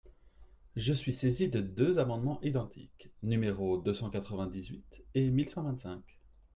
Je suis saisie de deux amendements identiques, numéros deux cent quatre-vingt-dix-huit et mille cent vingt-cinq.